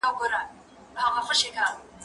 زه پرون چپنه پاکه کړه؟!